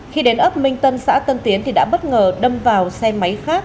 khi đến ấp minh tân xã tân tiến thì đã bất ngờ đâm vào xe máy khác